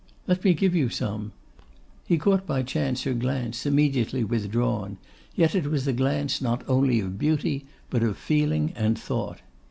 'Let me give you some,' He caught by chance her glance immediately withdrawn; yet it was a glance not only of beauty, but of feeling and thought.